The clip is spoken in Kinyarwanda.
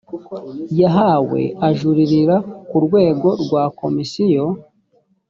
yahawe ajuririra ku rwego rwa komisiyo